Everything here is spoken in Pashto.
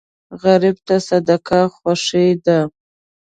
غریب ته صدقه خوښي ده